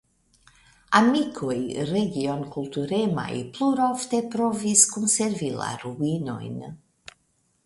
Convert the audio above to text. Amikoj regionkulturemaj plurfoje provis konservi la ruinojn.